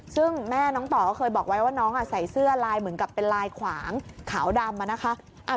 ซึ่งแม่น้องต่อก็เคยบอกไว้ว่าน้องใส่เสื้อลายเหมือนกับเป็นลายขวางขาวดำนะคะ